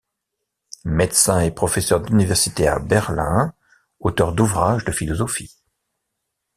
Médecin et professeur d’université à Berlin, auteur d’ouvrages de philosophie.